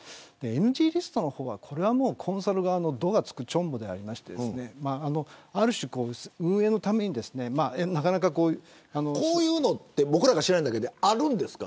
ＮＧリストの方はコンサル側のどがつくちょんぼでありましてこういうのって僕らが知らないだけであるんですか。